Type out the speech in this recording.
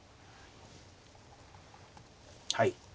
はい。